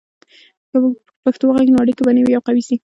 که موږ په پښتو وغږیږو، نو اړیکې به نوي او قوي سي.